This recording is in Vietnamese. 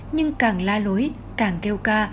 nhưng càng la lối càng kêu ca